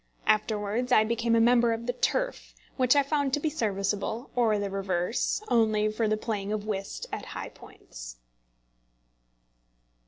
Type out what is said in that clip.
Afterwards I became a member of the Turf, which I found to be serviceable or the reverse only for the playing of whist at high points.